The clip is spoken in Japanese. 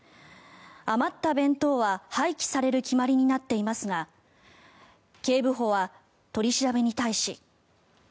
余った弁当は廃棄される決まりになっていますが警部補は取り調べに対し。